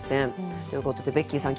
ということでベッキーさん